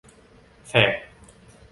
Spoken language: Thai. แสก